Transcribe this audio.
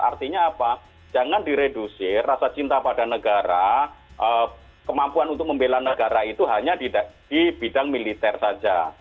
artinya apa jangan diredusir rasa cinta pada negara kemampuan untuk membela negara itu hanya di bidang militer saja